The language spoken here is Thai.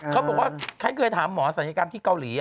เขาบอกว่าฉันเคยถามหมอศัลยกรรมที่เกาหลี